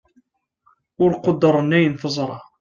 ur quddren ayen teẓṛa